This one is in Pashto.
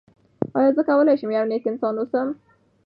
آیا زه کولی شم یو نېک انسان واوسم؟